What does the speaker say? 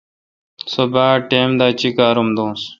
سو باڑ ٹائم دا چیکارم دوس۔